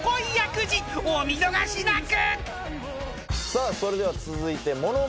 さあそれでは続いて。